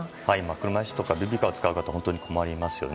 車椅子とかベビーカーを使う方は本当に困りますよね。